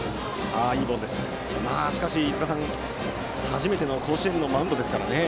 しかし、初めての甲子園のマウンドですからね。